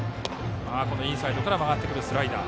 インサイドから曲がるスライダー。